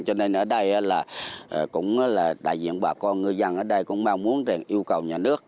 cho nên ở đây là cũng là đại diện bà con ngư dân ở đây cũng mong muốn yêu cầu nhà nước